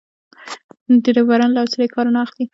ډریوران له حوصلې کار نه اخلي.